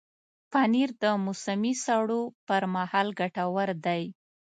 پنېر د موسمي سړو پر مهال ګټور دی.